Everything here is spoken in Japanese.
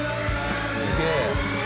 「すげえ！」